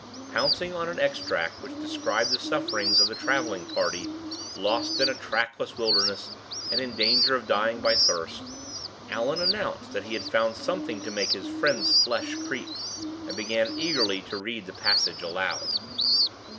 Pouncing on an extract which described the sufferings of the traveling party, lost in a trackless wilderness, and in danger of dying by thirst, Allan announced that he had found something to make his friend's flesh creep, and began eagerly to read the passage aloud.